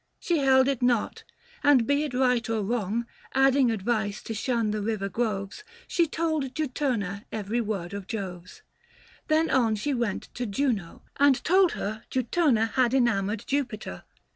She held it not ; and be it right or wrong, 645 Adding advice to shun the river groves, She told Juturna every word of Jove's. Then on she went to Juno, and told her Juturna had enamoured Jupiter.